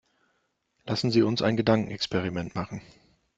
Lassen Sie uns ein Gedankenexperiment machen.